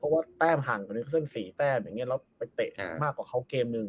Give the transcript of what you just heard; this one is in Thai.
เพราะว่าแป้มห่างกับนิวคัสเซินสี่แป้มอย่างเงี้ยแล้วไปเตะมากกว่าเขาเกมหนึ่ง